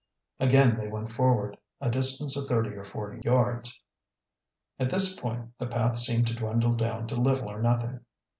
Again they went forward, a distance of thirty or forty yards. At this point the path seemed to dwindle down to little or nothing.